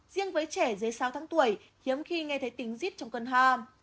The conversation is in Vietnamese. riêng với trẻ dưới sáu tháng tuổi hiếm khi nghe thấy tiếng giít trong cơn hoa